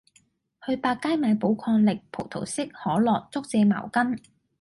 去百佳買寶礦力，葡萄式，可樂，竹蔗茅根